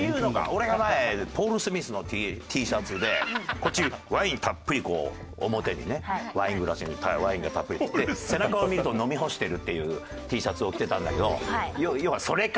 俺が前ポール・スミスのＴシャツでこっちワインたっぷりこう表にねワイングラスにワインがたっぷり背中を見ると飲み干してるっていうＴシャツを着てたんだけど要はそれか！